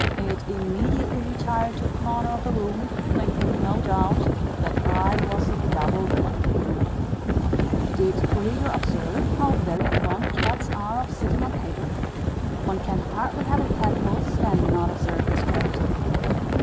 It immediately retired to a corner of the room, thinking no doubt that I was a double villain." Did the reader ever observe how very fond cats are of sitting on paper. One can hardly have a pet puss, and not observe this trait.